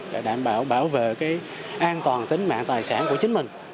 để đảm bảo bảo vệ cái an toàn tính mạng tài sản của chính mình